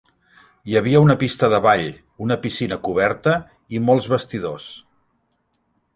Hi havia una pista de ball, una piscina coberta i molts vestidors.